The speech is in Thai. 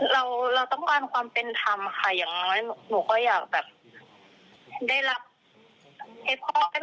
เราต้องการความเป็นธรรมค่ะอย่างนั้นหนูก็อยากแบบได้รับ